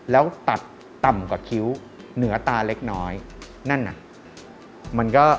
แล้วตัดต่ำกว่าคิ้วเหนือตาเล็กน้อยนั่นน่ะมันก็